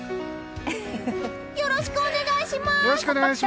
よろしくお願いします！